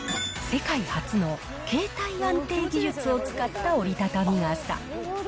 世界初の形態安定技術を使った折りたたみ傘。